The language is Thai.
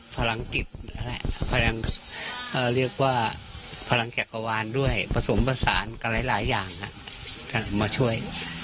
พลังจิตพลังแกรกวานด้วยผสมประสานกับหลายอย่างมาช่วย